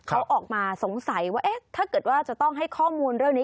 เขาออกมาสงสัยว่าถ้าเกิดว่าจะต้องให้ข้อมูลเรื่องนี้